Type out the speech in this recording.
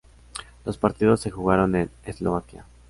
Los partidos se jugaron en Eslovaquia.